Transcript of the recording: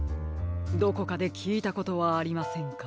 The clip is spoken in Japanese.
どこかできいたことはありませんか？